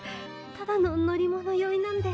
ただの乗り物酔いなんで。